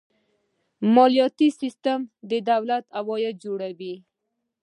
مالیاتي سیستم د دولت عاید جوړوي.